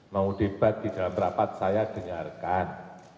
mau debat di dalam rapat saya dengarkan